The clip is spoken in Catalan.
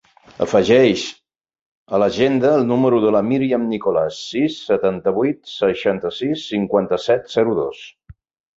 Afegeix a l'agenda el número de la Míriam Nicolas: sis, setanta-vuit, seixanta-sis, cinquanta-set, zero, dos.